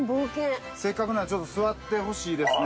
せっかくなんでちょっと座ってほしいですね